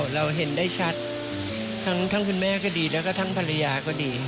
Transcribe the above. เราเห็นได้ชัดทั้งคุณแม่ก็ดีแล้วก็ทั้งภรรยาก็ดี